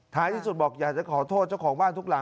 ที่สุดบอกอยากจะขอโทษเจ้าของบ้านทุกหลัง